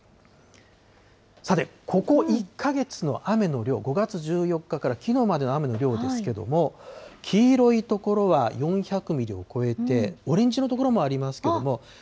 さて、ここ１か月の雨の量、５月１４日からきのうまでの雨の量ですけれども、黄色い所は４００ミリを超えて、オレンジ色の所もありますけれども。